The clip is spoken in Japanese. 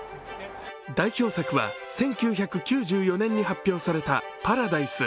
代表作は１９９４年に発表された「パラダイス」。